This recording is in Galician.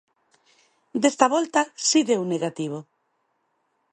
Desta volta si deu negativo.